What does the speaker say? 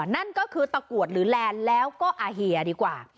นั่นก็คือตะกรวดหรือแลนด์แล้วก็อาเฮียดีกว่า